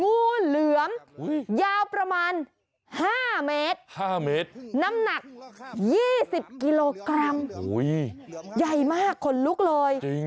งูเหลือมยาวประมาณ๕เมตร๕เมตรน้ำหนัก๒๐กิโลกรัมใหญ่มากขนลุกเลย